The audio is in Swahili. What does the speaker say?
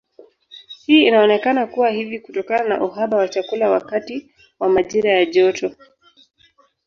Hii inaonekana kuwa hivi kutokana na uhaba wa chakula wakati wa majira ya joto.